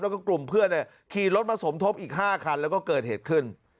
แล้วก็กลุ่มเพื่อนขี่รถมาสมทบอีก๕คันแล้วก็เกิดเหตุขึ้น